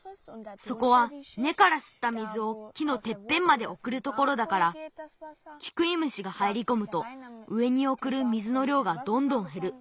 そこはねからすった水を木のてっぺんまでおくるところだからキクイムシがはいりこむと上におくる水のりょうがどんどんへる。